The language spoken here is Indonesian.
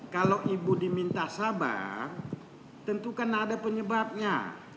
kalau ibu diminta sabar tentu kan ada penyebabnya